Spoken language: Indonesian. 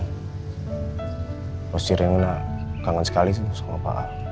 nanti si rena nangis sekali sama pak a